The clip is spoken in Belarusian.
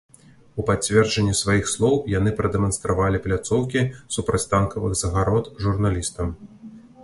У пацверджанне сваіх слоў яны прадэманстравалі пляцоўкі супрацьтанкавых загарод журналістам.